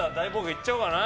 いっちゃおうかな。